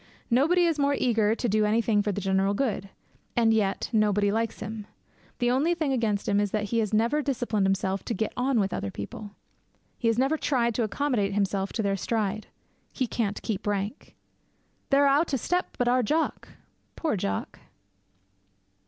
Nobody is more eager to do anything for the general good. And yet nobody likes him. The only thing against him is that he has never disciplined himself to get on with other people. He has never tried to accommodate himself to their stride. He can't keep rank. They're a' oot o' step but our Jock! Poor Jock!